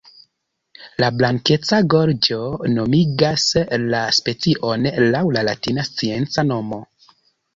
La blankeca gorĝo nomigas la specion laŭ la latina scienca nomo.